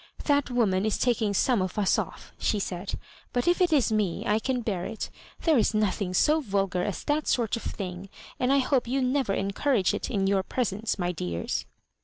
" That woman is taking some of us ofl^" she said ;" but if it is me, I can bear it. There is nothing so vulgar as that sort of thing, and I hope you never encourage it in your pre sence, my dears."